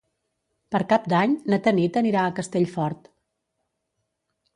Per Cap d'Any na Tanit anirà a Castellfort.